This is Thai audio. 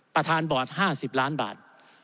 ประธานบอส๕๐๔ล้านบาท